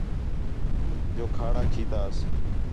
جو کھاڑا کھیتاس